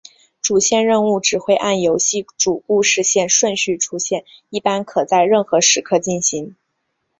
主线任务只会按游戏主故事线顺序出现一般可在任何时刻进行。